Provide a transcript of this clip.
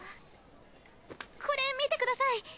これ見てください！